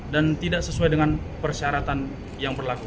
dan tidak sesuai dengan persyaratan yang berlaku